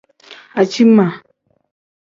Aciima.